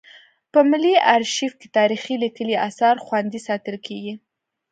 په ملي ارشیف کې تاریخي لیکلي اثار خوندي ساتل کیږي.